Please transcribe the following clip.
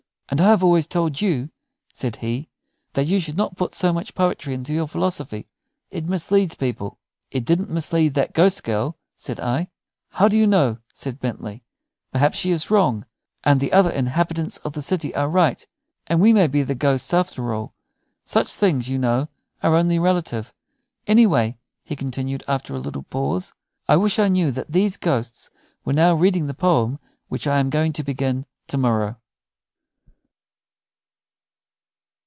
"And I have always told you," said he, "that you should not put so much poetry into your philosophy. It misleads people." "It didn't mislead that ghost girl," said I. "How do you know?" said Bentley. "Perhaps she is wrong, and the other inhabitants of the city are right, and we may be the ghosts after all. Such things, you know, are only relative. Anyway," he continued, after a little pause, "I wish I knew that those ghosts were now reading the poem which I am going to begin to morrow."